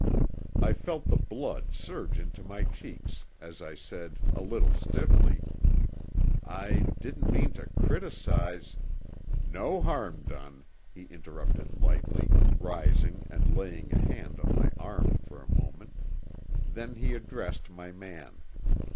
I felt the blood surge into my cheeks, as I said a little stiffly, "I didn't mean to criticize " "No harm done," he interrupted lightly, rising and laying a hand on my arm for a moment. Then he addressed my man.